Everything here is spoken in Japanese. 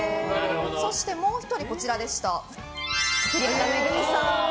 そしてもう１人、栗原恵さん。